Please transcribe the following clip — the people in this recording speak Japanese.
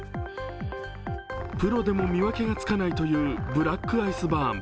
プロでも見分けがつかないというブラックアイスバーン。